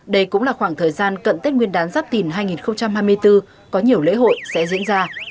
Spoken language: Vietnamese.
đây cũng là khoảng thời gian cận tết nguyên đán giáp thìn hai nghìn hai mươi bốn có nhiều lễ hội sẽ diễn ra